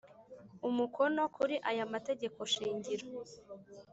Umukono kuri aya mategekoshingiro